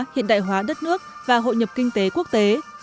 hiện đại hóa đất nước và hội nhập kinh tế quốc tế